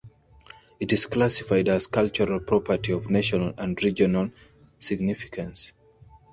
It is classified as Cultural Property of National and Regional Significance.